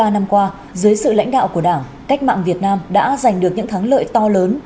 bốn mươi năm qua dưới sự lãnh đạo của đảng cách mạng việt nam đã giành được những thắng lợi to lớn